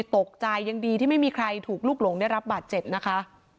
ตกใจยังดีที่ไม่มีใครถูกลูกหลงได้รับบาดเจ็บนะคะ